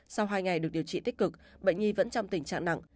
sau hai ngày được điều trị tích cực bệnh nhi vẫn trong tình trạng nặng